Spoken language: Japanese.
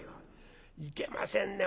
「いけませんね